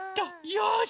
よし。